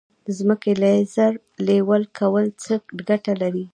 د ځمکې لیزر لیول کول څه ګټه لري؟